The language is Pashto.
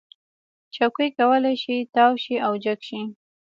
چوکۍ کولی شي تاو شي او جګ شي.